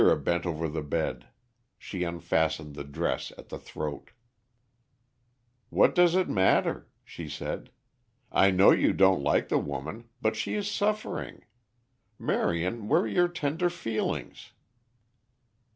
Vera bent over the bed. She unfastened the dress at the throat. "What does it matter?" she said. "I know you don't like the woman, but she is suffering. Marion, where are your tender feelings?"